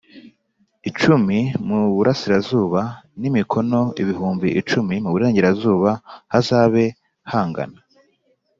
Icumi mu burasirazuba n imikono ibihumbi icumi mu burengerazuba hazabe hangana